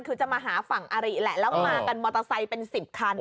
คือจะมาหาฝั่งอาริแหละแล้วมากันมอเตอร์ไซค์เป็น๑๐คัน